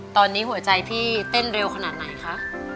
ตอนนี้หัวใจพี่เต้นเร็วขนาดไหนคะ